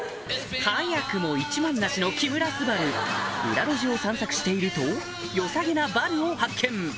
早くも一文無しの木村昴裏路地を散策していると良さげなバルを発見